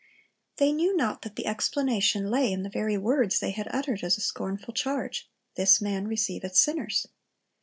They knew not that the explanation lay in the very words they had uttered as a scornful charge, "This man receiveth sinners."